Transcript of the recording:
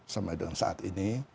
sampai dengan saat ini